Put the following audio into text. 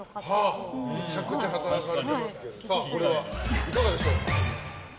これはいかがでしょう。